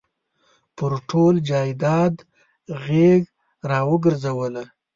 پر ټول جایداد غېږ را ورګرځوله.